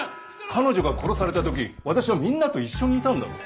彼女が殺された時私はみんなと一緒にいたんだぞ？